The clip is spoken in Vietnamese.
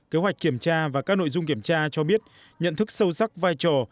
kế hoạch kiểm tra và các nội dung kiểm tra cho biết nhận thức sâu sắc vai trò